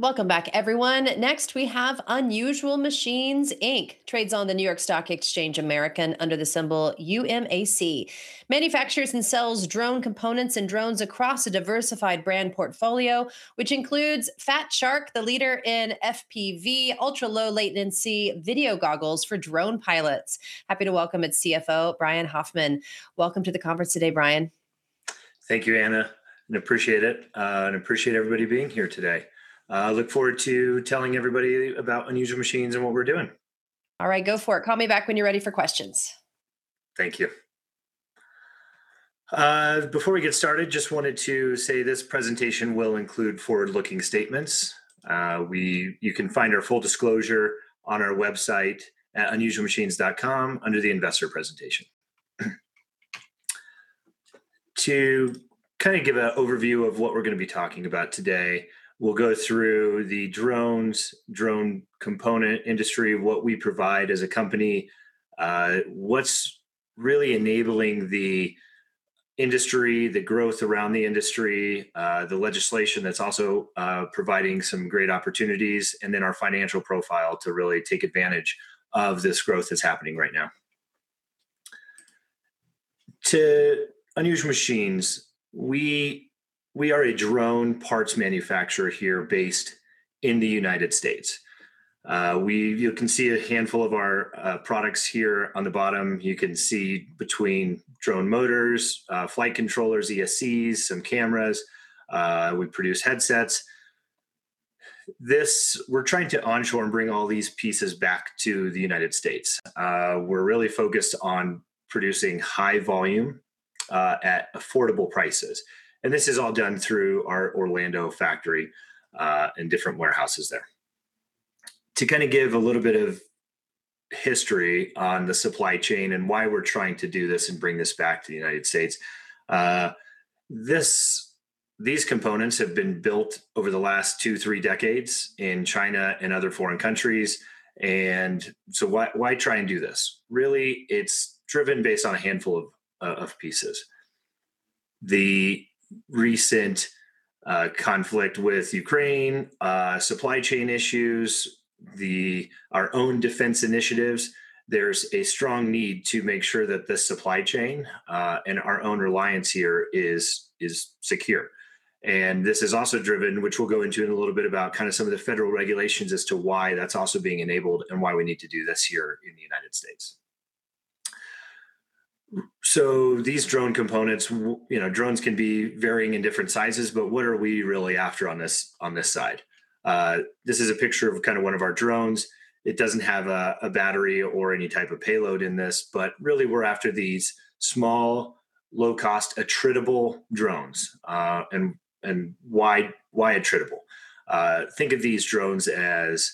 Welcome back, everyone. Next, we have Unusual Machines Inc., trades on the NYSE American under the symbol UMAC. Manufactures and sells drone components and drones across a diversified brand portfolio, which includes Fat Shark, the leader in FPV, ultra-low latency video goggles for drone pilots. Happy to welcome its CFO, Brian Hoff. Welcome to the conference today, Brian. Thank you, Anna. I appreciate it, and appreciate everybody being here today. I look forward to telling everybody about Unusual Machines and what we're doing. All right, go for it. Call me back when you're ready for questions. Thank you. Before we get started, just wanted to say this presentation will include forward-looking statements. You can find our full disclosure on our website at unusualmachines.com under the investor presentation. To kind of give an overview of what we're going to be talking about today, we'll go through the drones, drone component industry, what we provide as a company, what's really enabling the industry, the growth around the industry, the legislation that's also providing some great opportunities, and then our financial profile to really take advantage of this growth that's happening right now. To Unusual Machines, we are a drone parts manufacturer here, based in the United States. You can see a handful of our products here on the bottom. You can see between drone motors, flight controllers, ESCs, some cameras. We produce headsets. We're trying to onshore and bring all these pieces back to the United States. We're really focused on producing high volume at affordable prices, and this is all done through our Orlando factory and different warehouses there. To kind of give a little bit of history on the supply chain and why we're trying to do this and bring this back to the United States, these components have been built over the last 2, 3 decades in China and other foreign countries, why try and do this? Really, it's driven based on a handful of pieces. The recent conflict with Ukraine, supply chain issues, our own defense initiatives, there's a strong need to make sure that the supply chain and our own reliance here is secure. This is also driven, which we'll go into in a little bit, about kind of some of the federal regulations as to why that's also being enabled and why we need to do this here in the United States. These drone components, you know, drones can be varying in different sizes, but what are we really after on this side? This is a picture of kind of one of our drones. It doesn't have a battery or any type of payload in this, but really we're after these small, low-cost, attritable drones. Why attritable? Think of these drones as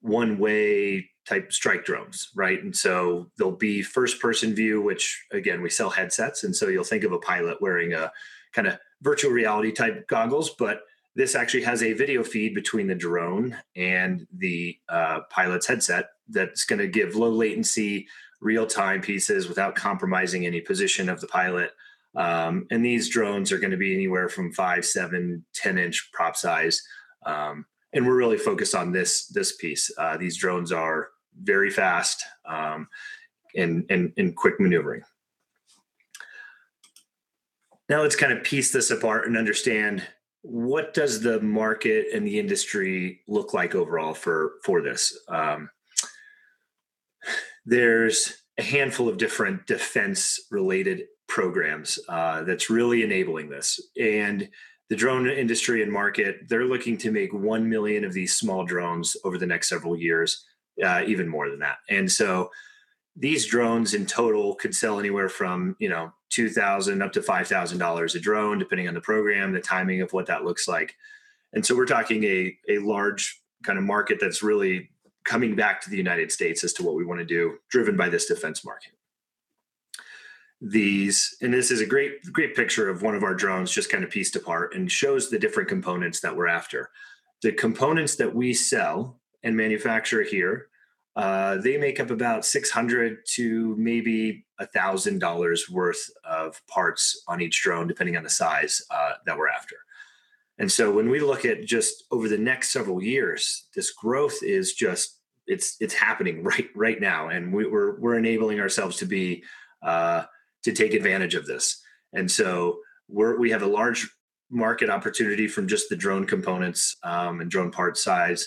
one-way type strike drones, right? They'll be first-person view, which, again, we sell headsets, and so you'll think of a pilot wearing a kind of virtual reality-type goggles, but this actually has a video feed between the drone and the pilot's headset, that's going to give low latency, real-time pieces without compromising any position of the pilot. These drones are going to be anywhere from 5, 7, 10-inch prop size. We're really focused on this piece. These drones are very fast and quick maneuvering. Let's kind of piece this apart and understand, what does the market and the industry look like overall for this? There's a handful of different defense-related programs, that's really enabling this, and the drone industry and market, they're looking to make 1 million of these small drones over the next several years, even more than that. These drones, in total, could sell anywhere from, you know, $2,000 up to $5,000 a drone, depending on the program, the timing of what that looks like. We're talking a large kind of market that's really coming back to the United States as to what we want to do, driven by this defense market. This is a great picture of one of our drones, just kind of pieced apart, and shows the different components that we're after. The components that we sell and manufacture here, they make up about $600-$1,000 worth of parts on each drone, depending on the size that we're after. When we look at just over the next several years, this growth is just It's happening right now, and we're enabling ourselves to be to take advantage of this. We have a large market opportunity from just the drone components and drone part size.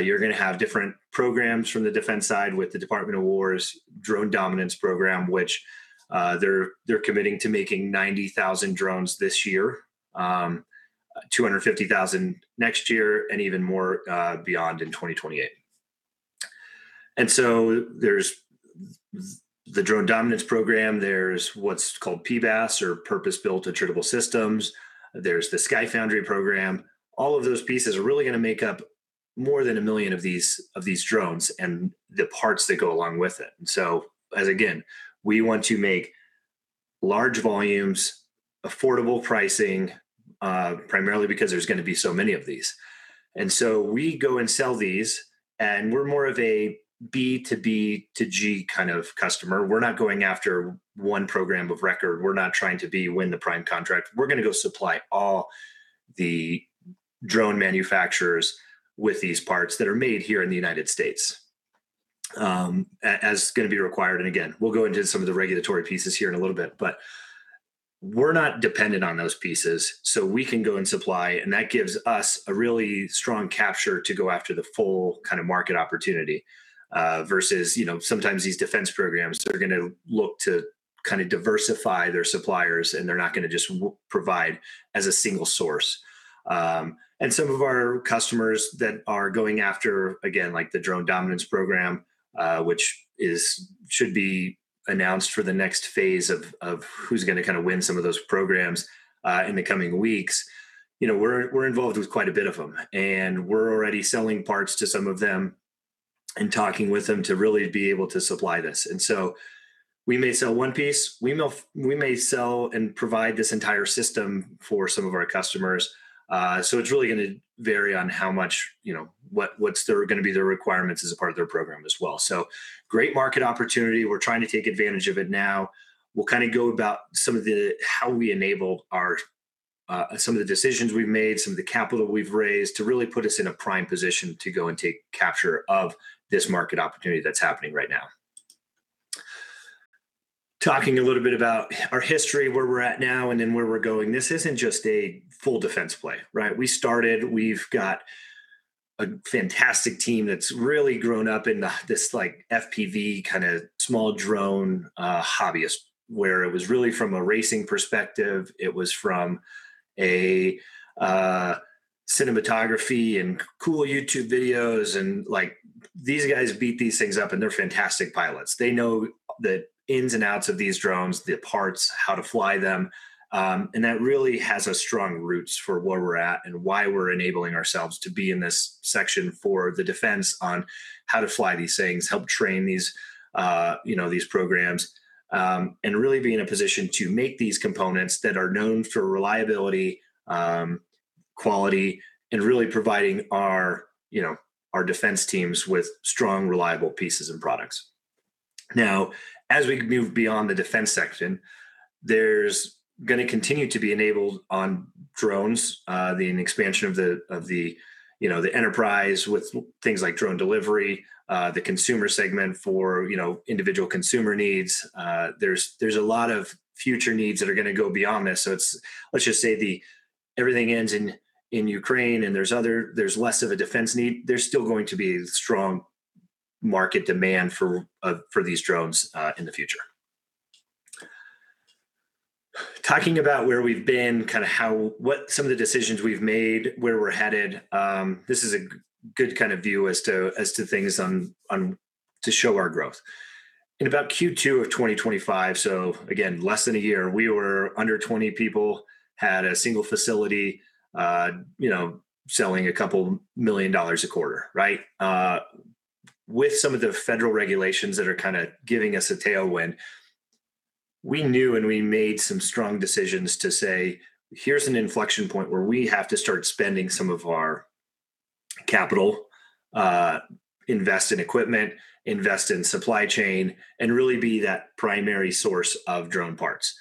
You're going to have different programs from the defense side with the Department of War's Drone Dominance program, which they're committing to making 90,000 drones this year, 250,000 next year, and even more beyond in 2028. There's the Drone Dominance program, there's what's called PBAS, or Purpose-Built Attritable Systems, there's the SkyFoundry program. All of those pieces are really going to make up more than 1 million of these drones, and the parts that go along with it. As again, we want to make large volumes, affordable pricing, primarily because there's going to be so many of these. We go and sell these. And we're more of a B2B2G kind of customer. We're not going after one program of record. We're not trying to win the prime contract. We're gonna go supply all the drone manufacturers with these parts that are made here in the United States, as is gonna be required. Again, we'll go into some of the regulatory pieces here in a little bit. We're not dependent on those pieces, so we can go and supply, and that gives us a really strong capture to go after the full kind of market opportunity. Versus, you know, sometimes these defense programs, they're gonna look to kind of diversify their suppliers, and they're not gonna just provide as a single source. And some of our customers that are going after, again, like the Drone Dominance program, which should be announced for the next phase of who's gonna kind of win some of those programs in the coming weeks. You know, we're involved with quite a bit of them, and we're already selling parts to some of them and talking with them to really be able to supply this. We may sell one piece, we may sell and provide this entire system for some of our customers. It's really gonna vary on how much, you know, what's gonna be their requirements as a part of their program as well. Great market opportunity. We're trying to take advantage of it now. We'll kind of go about how we enable our some of the decisions we've made, some of the capital we've raised to really put us in a prime position to go and take capture of this market opportunity that's happening right now. Talking a little bit about our history, where we're at now, and then where we're going, this isn't just a full defense play, right? We've got a fantastic team that's really grown up in the, this like FPV, kind of small drone, hobbyist, where it was really from a racing perspective, it was from a cinematography and cool YouTube videos, and like, these guys beat these things up, and they're fantastic pilots. They know the ins and outs of these drones, the parts, how to fly them. That really has strong roots for where we're at, and why we're enabling ourselves to be in this section for the Defense on how to fly these things, help train these, you know, these programs, and really be in a position to make these components that are known for reliability, quality, and really providing our, you know, our Defense teams with strong, reliable pieces and products. As we move beyond the defense section, there's gonna continue to be enabled on drones, the expansion of the, you know, the enterprise with things like drone delivery, the consumer segment for, you know, individual consumer needs. There's a lot of future needs that are gonna go beyond this. Let's just say everything ends in Ukraine, and there's less of a defense need, there's still going to be strong market demand for these drones in the future. Talking about where we've been, kind of what some of the decisions we've made, where we're headed, this is a good kind of view as to things on to show our growth. In about Q2 of 2025, again, less than a year, we were under 20 people, had a single facility, you know, selling $ a couple of million a quarter, right? With some of the federal regulations that are kind of giving us a tailwind, we knew and we made some strong decisions to say, "Here's an inflection point where we have to start spending some of our capital, invest in equipment, invest in supply chain, and really be that primary source of drone parts."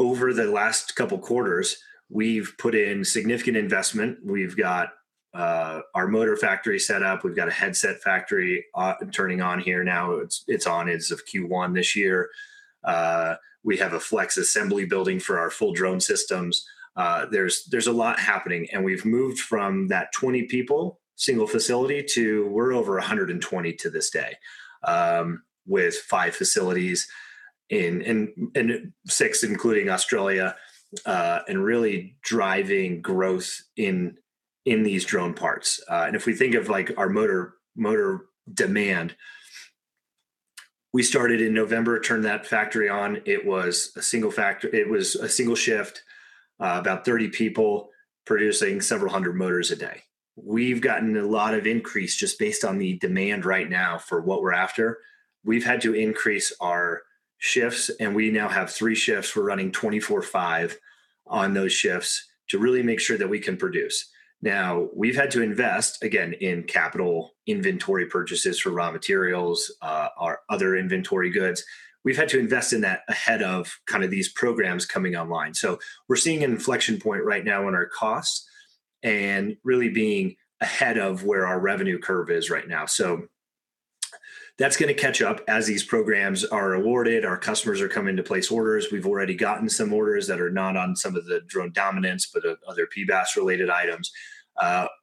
Over the last couple of quarters, we've put in significant investment. We've got, our motor factory set up, we've got a headset factory, turning on here now. It's on as of Q1 this year. We have a flex assembly building for our full drone systems. There's a lot happening, and we've moved from that 20 people, single facility, to we're over 120 to this day, with 5 facilities and 6, including Australia, and really driving growth in these drone parts. If we think of, like, our motor demand, we started in November to turn that factory on. It was a single shift, about 30 people producing several hundred motors a day. We've gotten a lot of increase just based on the demand right now for what we're after. We've had to increase our shifts. We now have 3 shifts. We're running 24/5 on those shifts to really make sure that we can produce. Now, we've had to invest, again, in capital inventory purchases for raw materials, our other inventory goods. We've had to invest in that ahead of kind of these programs coming online. We're seeing an inflection point right now in our costs and really being ahead of where our revenue curve is right now. That's gonna catch up as these programs are awarded. Our customers are coming to place orders. We've already gotten some orders that are not on some of the Drone Dominance, but other PBAS-related items.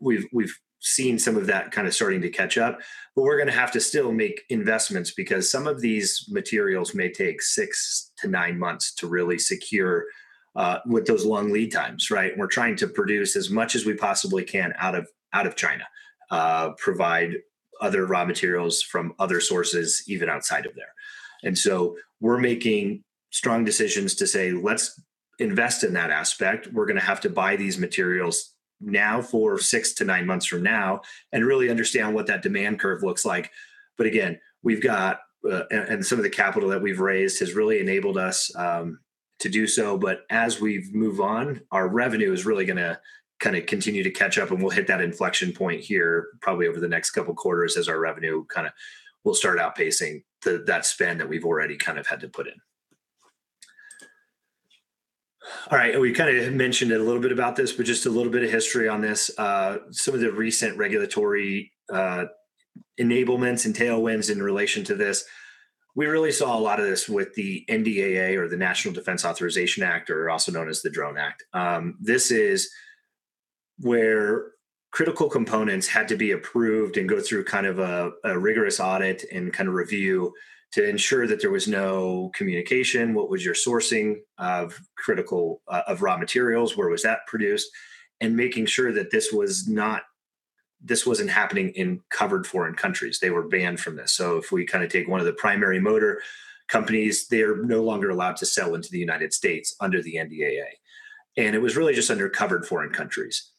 We've seen some of that kind of starting to catch up, but we're gonna have to still make investments because some of these materials may take six to nine months to really secure with those long lead times, right? We're trying to produce as much as we possibly can out of China, provide other raw materials from other sources, even outside of there. We're making strong decisions to say, "Let's invest in that aspect." We're gonna have to buy these materials now for 6 to 9 months from now and really understand what that demand curve looks like. Again, we've got. Some of the capital that we've raised has really enabled us to do so, but as we've move on, our revenue is really gonna kind of continue to catch up, and we'll hit that inflection point here probably over the next 2 quarters as our revenue kind of will start outpacing that spend that we've already kind of had to put in. All right, we kind of mentioned it a little bit about this, but just a little bit of history on this. Some of the recent regulatory enablements and tailwinds in relation to this, we really saw a lot of this with the NDAA, or the National Defense Authorization Act, or also known as the Drone Act. This is where critical components had to be approved and go through kind of a rigorous audit and kind of review to ensure that there was no communication. What was your sourcing of critical raw materials? Where was that produced? Making sure that this wasn't happening in covered foreign countries. They were banned from this. If we kind of take one of the primary motor companies, they're no longer allowed to sell into the United States under the NDAA, and it was really just under covered foreign countries.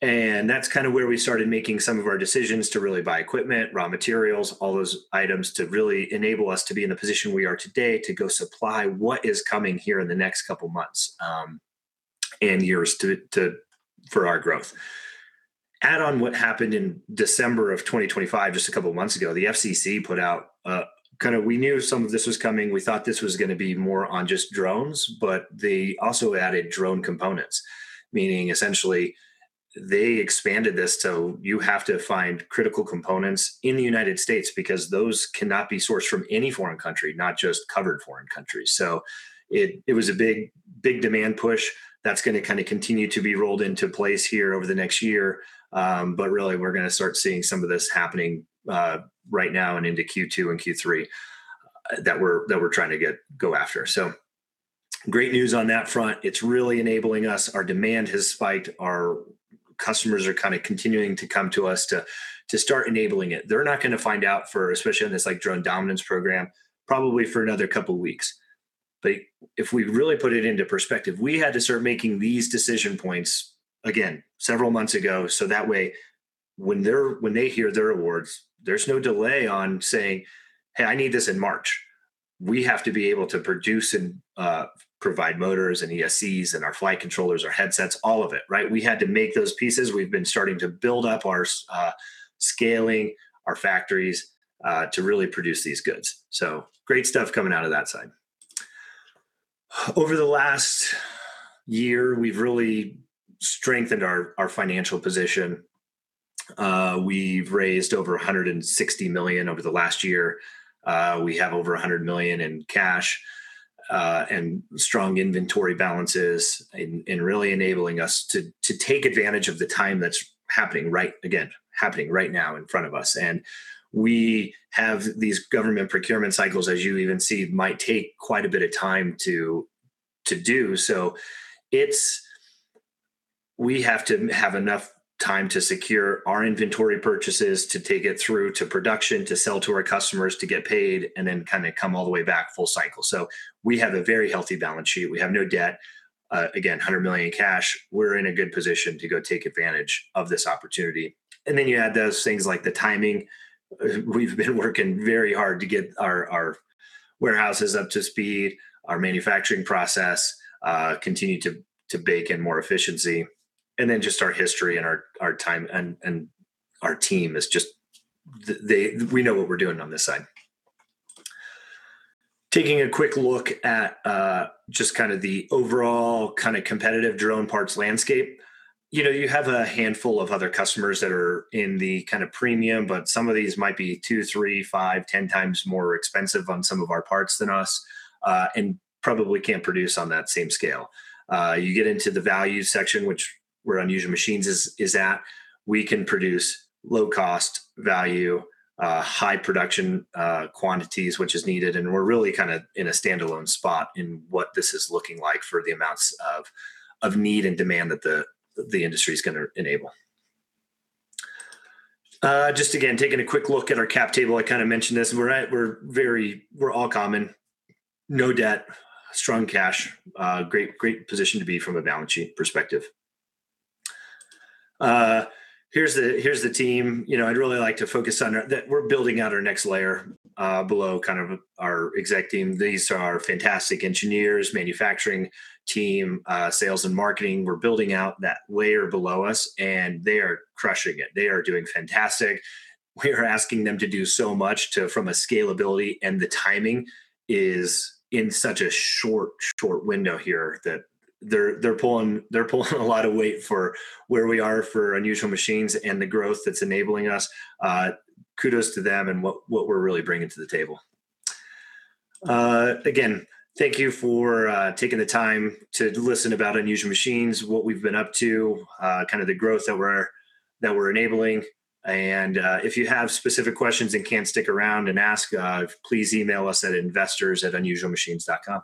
That's kind of where we started making some of our decisions to really buy equipment, raw materials, all those items to really enable us to be in the position we are today, to go supply what is coming here in the next couple months and years for our growth. Add on what happened in December of 2025, just a couple of months ago, the FCC put out a kind of. We knew some of this was coming. We thought this was gonna be more on just drones, but they also added drone components, meaning essentially they expanded this to you have to find critical components in the United States because those cannot be sourced from any foreign country, not just covered foreign countries. It was a big, big demand push that's gonna kind of continue to be rolled into place here over the next year. Really we're gonna start seeing some of this happening right now and into Q2 and Q3 that we're trying to go after. Great news on that front. It's really enabling us. Our demand has spiked. Our customers are kind of continuing to come to us to start enabling it. They're not gonna find out for, especially on this, like, Drone Dominance program, probably for another couple of weeks. If we really put it into perspective, we had to start making these decision points, again, several months ago, so that way when they hear their awards, there's no delay on saying, "Hey, I need this in March." We have to be able to produce and provide motors and ESCs and our flight controllers, our headsets, all of it, right? We had to make those pieces. We've been starting to build up our scaling our factories to really produce these goods. Great stuff coming out of that side. Over the last year, we've really strengthened our financial position. We've raised over $160 million over the last year. We have over $100 million in cash and strong inventory balances and really enabling us to take advantage of the time that's happening right... again, happening right now in front of us. We have these government procurement cycles, as you even see, might take quite a bit of time to do. We have to have enough time to secure our inventory purchases, to take it through to production, to sell to our customers, to get paid, and then kind of come all the way back full cycle. We have a very healthy balance sheet. We have no debt. Again, $100 million in cash. We're in a good position to go take advantage of this opportunity. You add those things like the timing. We've been working very hard to get our warehouses up to speed, our manufacturing process, continue to bake in more efficiency, and then just our history and our time and our team is just... We know what we're doing on this side. Taking a quick look at just kind of the overall kind of competitive drone parts landscape, you know, you have a handful of other customers that are in the kind of premium, but some of these might be 2, 3, 5, 10 times more expensive on some of our parts than us, and probably can't produce on that same scale. You get into the value section, which where Unusual Machines is at, we can produce low cost, value, high production quantities, which is needed, and we're really kind of in a standalone spot in what this is looking like for the amounts of need and demand that the industry is gonna enable. Just again, taking a quick look at our cap table, I kind of mentioned this, we're all common, no debt, strong cash, great position to be from a balance sheet perspective. Here's the team. You know, I'd really like to focus on that we're building out our next layer below kind of our exec team. These are fantastic engineers, manufacturing team, sales and marketing. We're building out that layer below us, and they are crushing it. They are doing fantastic. We're asking them to do so much to from a scalability, and the timing is in such a short window here that they're pulling a lot of weight for where we are for Unusual Machines and the growth that's enabling us. Kudos to them and what we're really bringing to the table. Again, thank you for taking the time to listen about Unusual Machines, what we've been up to, kind of the growth that we're enabling. If you have specific questions and can't stick around and ask, please email us at investors@unusualmachines.com.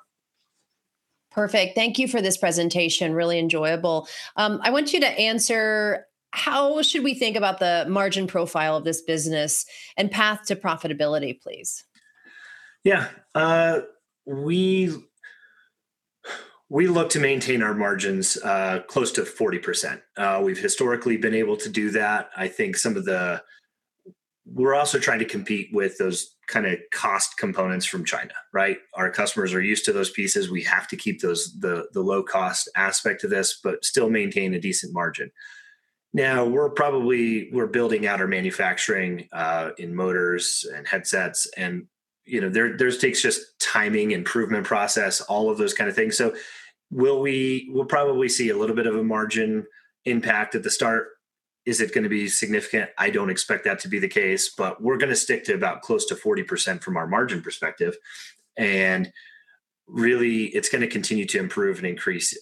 Perfect. Thank you for this presentation. Really enjoyable. I want you to answer, how should we think about the margin profile of this business and path to profitability, please? Yeah. We look to maintain our margins close to 40%. We've historically been able to do that. I think some of the... We're also trying to compete with those kind of cost components from China, right? Our customers are used to those pieces. We have to keep those, the low-cost aspect of this, but still maintain a decent margin. Now, we're building out our manufacturing in motors and headsets, and, you know, there takes just timing, improvement process, all of those kind of things. We'll probably see a little bit of a margin impact at the start. Is it gonna be significant? I don't expect that to be the case, but we're gonna stick to about close to 40% from our margin perspective, and really, it's gonna continue to improve and increase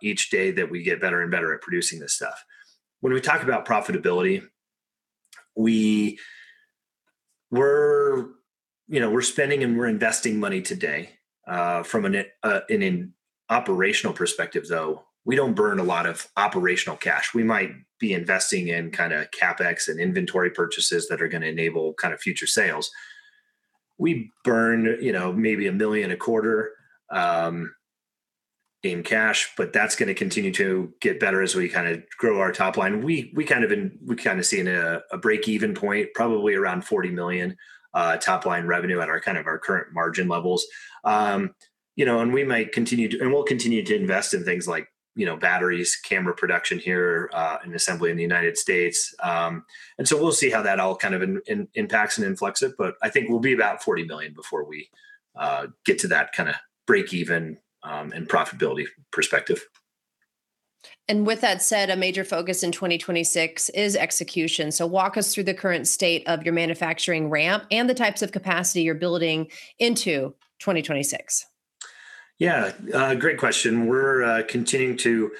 each day that we get better and better at producing this stuff. When we talk about profitability, we're, you know, we're spending and we're investing money today. From an operational perspective, though, we don't burn a lot of operational cash. We might be investing in kind of CapEx and inventory purchases that are gonna enable kind of future sales. We burn, you know, maybe $1 million a quarter in cash, but that's gonna continue to get better as we kind of grow our top line. We're kind of seeing a break-even point, probably around $40 million top-line revenue at our kind of our current margin levels. You know, we'll continue to invest in things like, you know, batteries, camera production here, and assembly in the United States. We'll see how that all kind of impacts and influxes, but I think we'll be about $40 million before we get to that kind of break even and profitability perspective. With that said, a major focus in 2026 is execution. Walk us through the current state of your manufacturing ramp and the types of capacity you're building into 2026. Yeah, great question. We're, continuing to,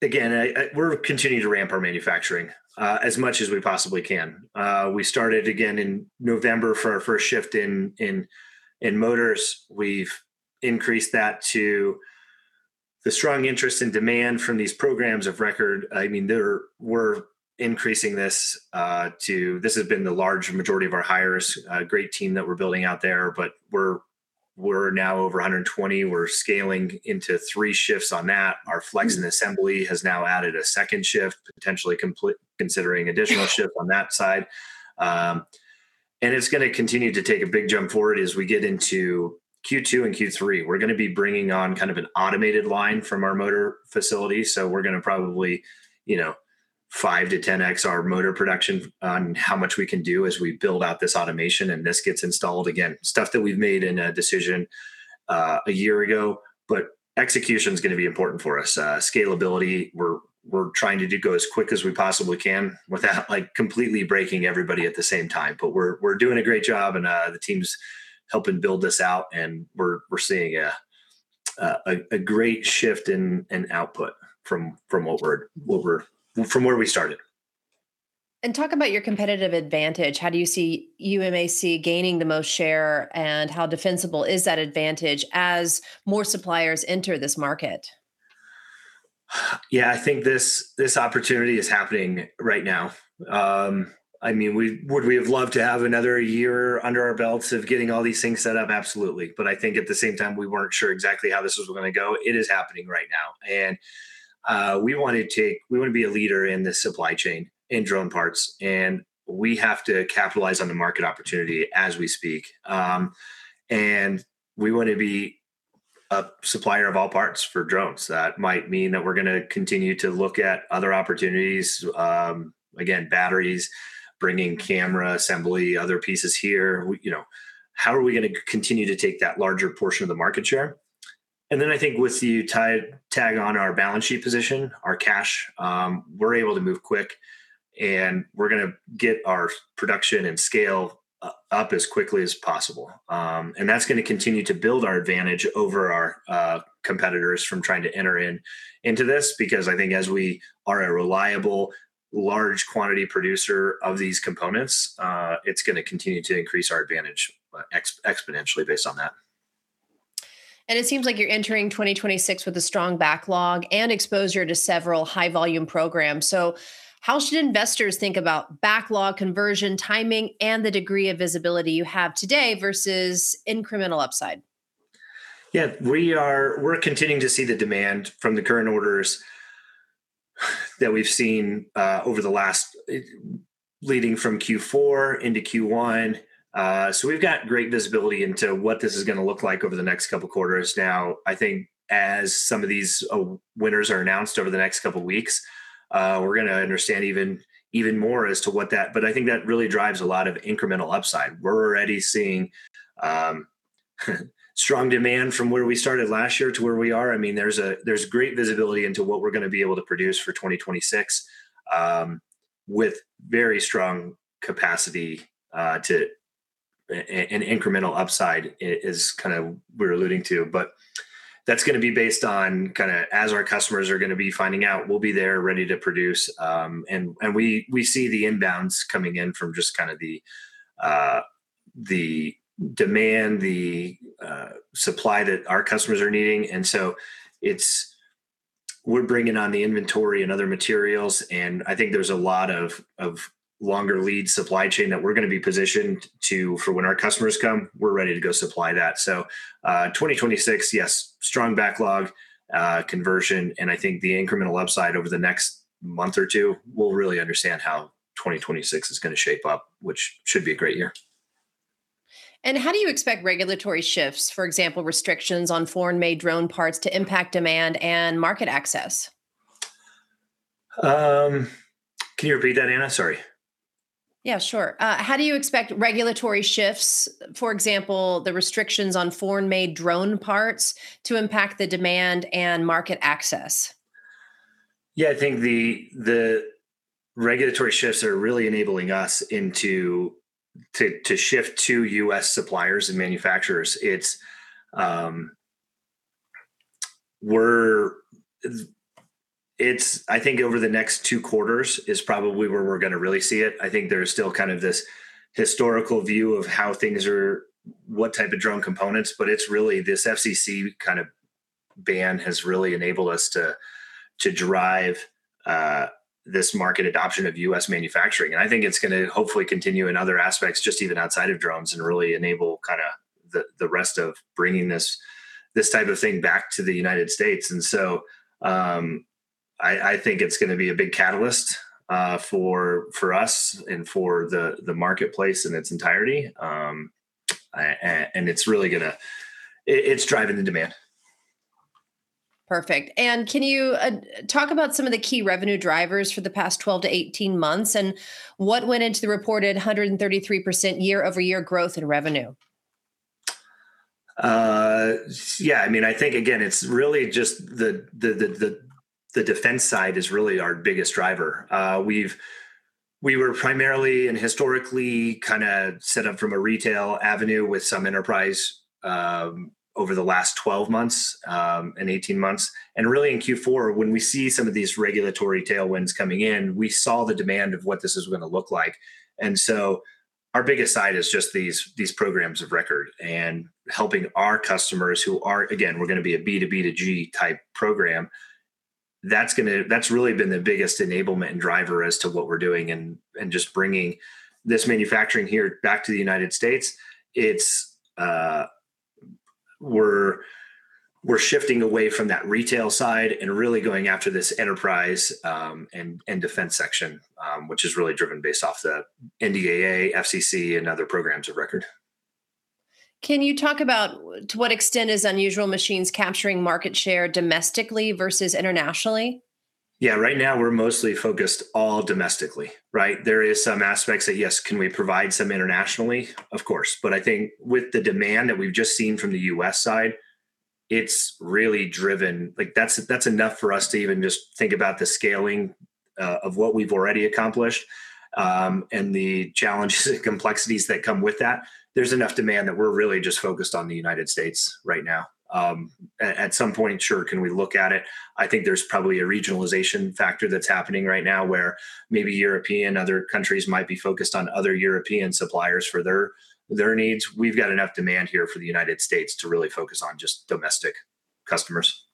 again, we're continuing to ramp our manufacturing, as much as we possibly can. We started again in November for our first shift in motors. We've increased that to the strong interest and demand from these programs of record. I mean, We're increasing this. This has been the large majority of our hires, a great team that we're building out there. We're now over 120. We're scaling into three shifts on that. Mm. Our flex and assembly has now added a second shift, potentially considering additional-. Yeah... shift on that side. It's gonna continue to take a big jump forward as we get into Q2 and Q3. We're gonna be bringing on kind of an automated line from our motor facility, so we're gonna probably, you know, 5 to 10x our motor production on how much we can do as we build out this automation, and this gets installed. Again, stuff that we've made in a decision, a year ago, but execution's gonna be important for us. Scalability, we're trying to go as quick as we possibly can without, like, completely breaking everybody at the same time. We're doing a great job, and the team's helping build this out, and we're seeing a great shift in output from where we started. Talk about your competitive advantage. How do you see UMAC gaining the most share, and how defensible is that advantage as more suppliers enter this market? Yeah, I think this opportunity is happening right now. I mean, would we have loved to have another year under our belts of getting all these things set up? Absolutely. I think at the same time, we weren't sure exactly how this was gonna go. It is happening right now, and we wanna be a leader in this supply chain, in drone parts, and we have to capitalize on the market opportunity as we speak. We wanna be a supplier of all parts for drones. That might mean that we're gonna continue to look at other opportunities, again, batteries, bringing camera assembly, other pieces here. You know, how are we gonna continue to take that larger portion of the market share? I think with the tie-tag on our balance sheet position, our cash, we're able to move quick, and we're gonna get our production and scale up as quickly as possible. That's gonna continue to build our advantage over our competitors from trying to enter into this because I think as we are a reliable, large quantity producer of these components, it's gonna continue to increase our advantage exponentially based on that. It seems like you're entering 2026 with a strong backlog and exposure to several high-volume programs. How should investors think about backlog conversion, timing, and the degree of visibility you have today versus incremental upside? Yeah, we're continuing to see the demand from the current orders that we've seen, over the last, leading from Q4 into Q1. We've got great visibility into what this is gonna look like over the next couple of quarters. I think as some of these winners are announced over the next couple of weeks, we're gonna understand even more as to what that... I think that really drives a lot of incremental upside. We're already seeing strong demand from where we started last year to where we are. I mean, there's great visibility into what we're gonna be able to produce for 2026, with very strong capacity, and incremental upside is kind of we're alluding to. That's gonna be based on kind of as our customers are gonna be finding out, we'll be there, ready to produce. And we see the inbounds coming in from just kind of the demand, the supply that our customers are needing. We're bringing on the inventory and other materials, and I think there's a lot of longer lead supply chain that we're gonna be positioned to for when our customers come, we're ready to go supply that. 2026, yes, strong backlog conversion, and I think the incremental upside over the next month or two, we'll really understand how 2026 is gonna shape up, which should be a great year. How do you expect regulatory shifts, for example, restrictions on foreign-made drone parts, to impact demand and market access? Can you repeat that, Anna? Sorry. Yeah, sure. How do you expect regulatory shifts, for example, the restrictions on foreign-made drone parts, to impact the demand and market access? I think the regulatory shifts are really enabling us to shift to U.S. suppliers and manufacturers. I think over the next 2 quarters is probably where we're gonna really see it. I think there's still kind of this historical view of how things are, what type of drone components. It's really this FCC kind of ban has really enabled us to drive this market adoption of U.S. manufacturing. I think it's gonna hopefully continue in other aspects, just even outside of drones, and really enable kind of the rest of bringing this type of thing back to the United States. I think it's gonna be a big catalyst for us and for the marketplace in its entirety. It's really gonna. It's driving the demand. Perfect. Can you talk about some of the key revenue drivers for the past 12 to 18 months, and what went into the reported 133% year-over-year growth in revenue? Yeah, I mean, I think again, it's really just the defense side is really our biggest driver. We were primarily and historically kind of set up from a retail avenue with some enterprise over the last 12 months and 18 months. Really in Q4, when we see some of these regulatory tailwinds coming in, we saw the demand of what this is gonna look like. Our biggest side is just these programs of record, and helping our customers who are... Again, we're gonna be a B2B2G type program. That's really been the biggest enablement and driver as to what we're doing, and just bringing this manufacturing here back to the United States. It's... We're shifting away from that retail side and really going after this enterprise and defense section, which is really driven based off the NDAA, FCC, and other programs of record. Can you talk about to what extent is Unusual Machines capturing market share domestically versus internationally? Yeah, right now we're mostly focused all domestically, right? There is some aspects that, yes, can we provide some internationally? Of course. I think with the demand that we've just seen from the U.S. side, it's really driven. Like, that's enough for us to even just think about the scaling of what we've already accomplished and the challenges and complexities that come with that. There's enough demand that we're really just focused on the United States right now. At some point, sure, can we look at it? I think there's probably a regionalization factor that's happening right now, where maybe European, other countries might be focused on other European suppliers for their needs. We've got enough demand here for the United States to really focus on just domestic customers.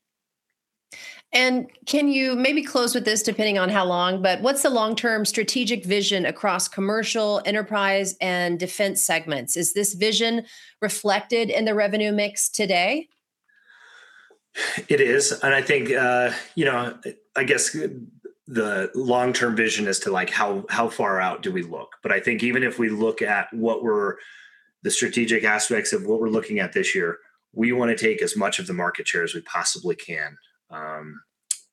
Can you maybe close with this, depending on how long, but what's the long-term strategic vision across commercial, enterprise, and defense segments? Is this vision reflected in the revenue mix today? It is, I think, you know, I guess, the long-term vision as to, like, how far out do we look? I think even if we look at the strategic aspects of what we're looking at this year, we want to take as much of the market share as we possibly can.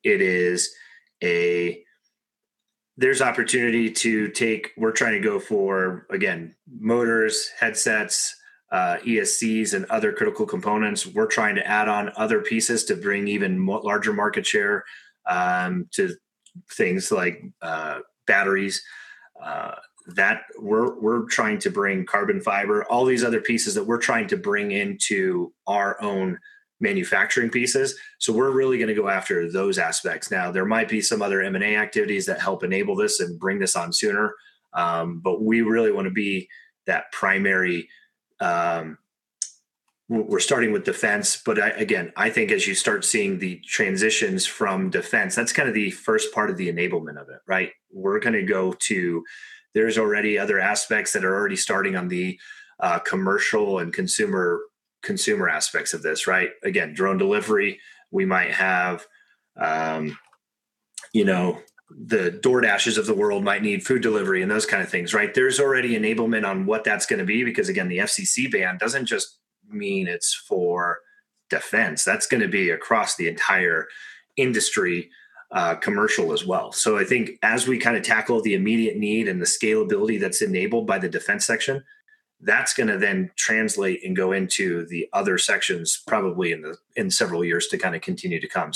It is. There's opportunity we're trying to go for, again, motors, headsets, ESCs, and other critical components. We're trying to add on other pieces to bring even more larger market share to things like batteries. That, we're trying to bring carbon fiber, all these other pieces that we're trying to bring into our own manufacturing pieces. We're really gonna go after those aspects. There might be some other M&A activities that help enable this and bring this on sooner. We really want to be that primary. We're starting with defense. Again, I think as you start seeing the transitions from defense, that's kind of the first part of the enablement of it, right? We're gonna go to. There's already other aspects that are already starting on the commercial and consumer aspects of this, right? Again, drone delivery, we might have, you know, the DoorDash of the world might need food delivery and those kind of things, right? There's already enablement on what that's gonna be. Because again, the FCC ban doesn't just mean it's for defense. That's gonna be across the entire industry, commercial as well. I think as we kind of tackle the immediate need and the scalability that's enabled by the defense section, that's gonna then translate and go into the other sections, probably in the, in several years to kind of continue to come.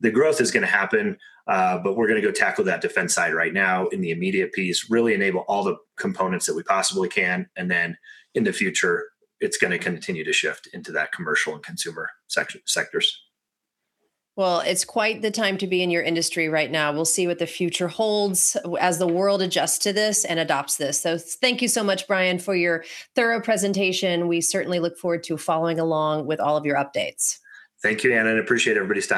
The growth is gonna happen, but we're gonna go tackle that defense side right now in the immediate piece, really enable all the components that we possibly can, and then in the future, it's gonna continue to shift into that commercial and consumer sectors. Well, it's quite the time to be in your industry right now. We'll see what the future holds as the world adjusts to this and adopts this. Thank you so much, Brian, for your thorough presentation. We certainly look forward to following along with all of your updates. Thank you, Anna, and I appreciate everybody's time.